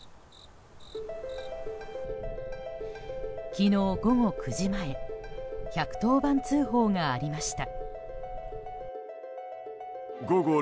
昨日、午後９時前１１０番通報がありました。